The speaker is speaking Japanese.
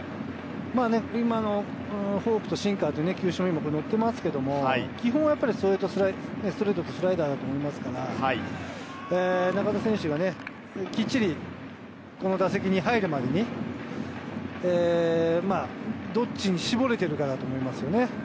今のフォークとシンカーと球種がのってますけれど、基本はストレートとスライダーだと思いますから、中田選手がきっちりこの打席に入るまでに、どっちに絞るてるかだと思いますね。